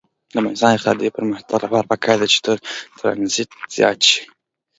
د افغانستان د اقتصادي پرمختګ لپاره پکار ده چې ترانزیت زیات شي.